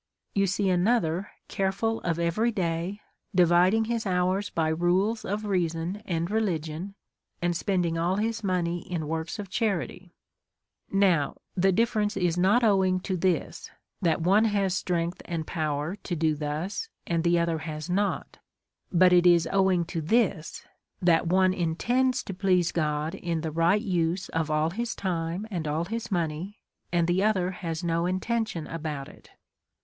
You see another careful of every day, dividing his hours by rules of reason and religion, and spending all his money in works of cha rity ; now, the difference is not owing to this, that one has strength and power to do thus, and the other has not ; but it is owing to this, that one intends to please God in the right use of all his time and all his money, and the other has no intention about it.